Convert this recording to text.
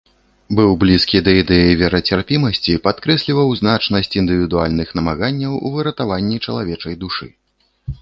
Быў блізкі да ідэі верацярпімасці, падкрэсліваў значнасць індывідуальных намаганняў у выратаванні чалавечай душы.